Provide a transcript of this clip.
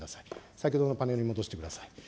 先ほどのパネルに戻してください。